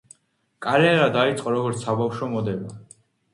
კარიერა დაიწყო როგორც საბავშვო მოდელმა.